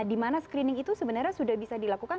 di mana screening itu sebenarnya sudah bisa dilakukan